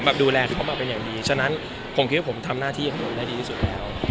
ดูแลเขามาเป็นอย่างดีฉะนั้นผมคิดว่าผมทำหน้าที่ของผมได้ดีที่สุดแล้ว